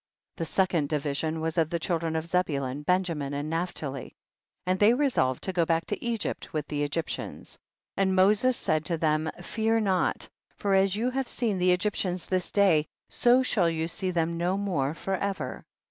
29. The second division was of the children of Zebulun, Benjamin and Naphtali, and they resolved to go back to Egypt with the Egyp tians. 30. And Moses said to them, fear not, for as you have seen the Egyp tians this day, so shall you see them no more for ever.